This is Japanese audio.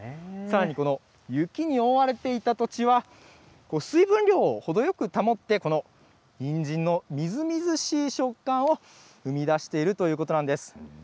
さらにこの雪に覆われていた土地は、水分量をほどよく保って、このにんじんのみずみずしい食感を生み出しているということなんです。